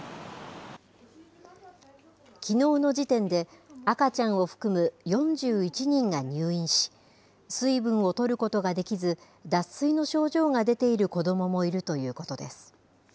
きのうの時点で、赤ちゃんを含む４１人が入院し、水分をとることができず、脱水の症状が出ている子どももいるということです。